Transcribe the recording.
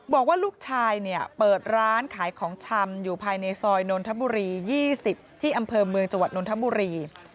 บอกว่าลูกชายเนี่ยเปิดร้านขายของชำอยู่ภายในซอยนนทบุรี๒๐ที่อำเภอเมืองจังหวัดนนทบุรี